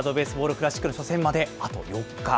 クラシックまで初戦まであと４日。